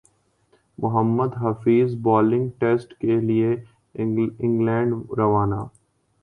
محمد Hafeez bowling test کیلئے England روانہ